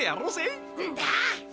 んだ！